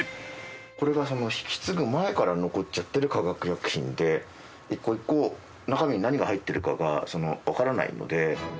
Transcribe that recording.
これが引き継ぐ前から残っちゃってる化学薬品で１個１個中身に何が入ってるかがわからないので。